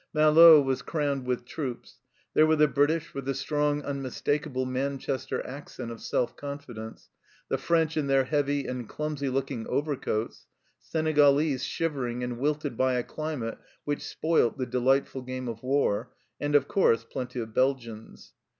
Malo was crammed with troops. There were the British with the strong unmistakable Manchester accent of self confidence ; the French in their heavy and clumsy looking overcoats ; Senegalese shiver ing arid wilted by a climate which spoilt the delightful game of war ; and, of course, plenty of Belgians.